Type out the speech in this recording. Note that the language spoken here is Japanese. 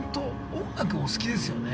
音楽お好きですよね。